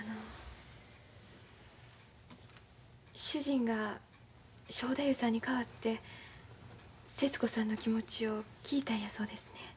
主人が正太夫さんに代わって節子さんの気持ちを聞いたんやそうですね？